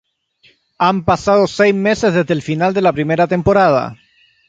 Han pasado seis meses desde el final de la primera temporada.